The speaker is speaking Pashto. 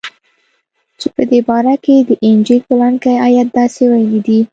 چې په دې باره کښې د انجيل پلانکى ايت داسې ويلي دي.